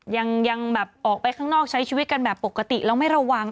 ยังแบบออกไปข้างนอกใช้ชีวิตกันแบบปกติแล้วไม่ระวัง